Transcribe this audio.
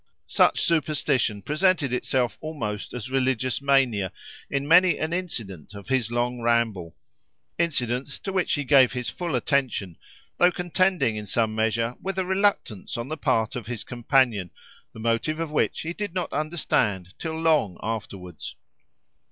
Such superstition presented itself almost as religious mania in many an incident of his long ramble,—incidents to which he gave his full attention, though contending in some measure with a reluctance on the part of his companion, the motive of which he did not understand till long afterwards.